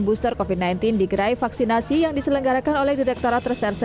booster kovin sembilan belas digerai vaksinasi yang diselenggarakan oleh direkturat reserse